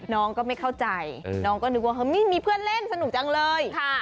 น้องก็ไม่เข้าใจน้องก็นึกว่าเฮ้ยมีเพื่อนเล่นสนุกจังเลย